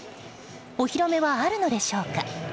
お披露目はあるのでしょうか。